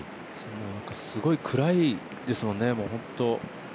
すごいくらいですもんね、本当。